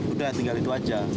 udah tinggal itu aja